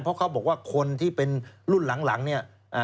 เพราะเขาบอกว่าคนที่เป็นรุ่นหลังเนี่ย